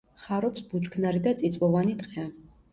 ხარობს ბუჩქნარი და წიწვოვანი ტყე.